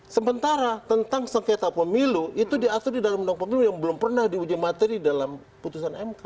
sementara tentang sengketa pemilu itu diatur di dalam undang undang pemilu yang belum pernah diuji materi dalam putusan mk